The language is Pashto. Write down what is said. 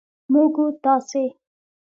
موږ و تاسې